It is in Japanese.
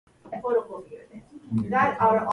北海道洞爺湖町